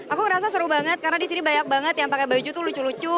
aku ngerasa seru banget karena disini banyak banget yang pakai baju tuh lucu lucu